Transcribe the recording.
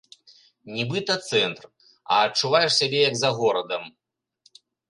Нібыта цэнтр, а адчуваеш сябе як за горадам.